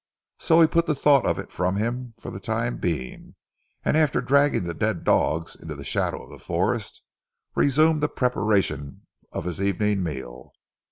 So he put the thought of it from him for the time being, and after dragging the dead dogs into the shadow of the forest, resumed the preparation of his evening meal.